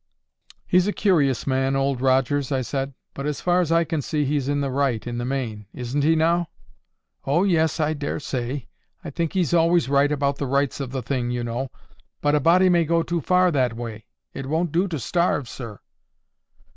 "He's a curious man, Old Rogers," I said. "But as far as I can see, he's in the right, in the main. Isn't he now?" "Oh, yes, I daresay. I think he's always right about the rights of the thing, you know. But a body may go too far that way. It won't do to starve, sir."